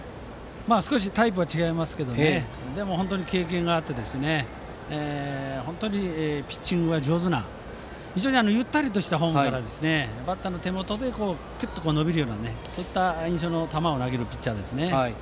少しタイプは違いますがでも、経験もあってピッチングが上手で非常にゆったりしたフォームからバッターの手元でくっと伸びるような印象の球を投げるピッチャーですよね。